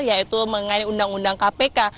yaitu mengenai undang undang kpk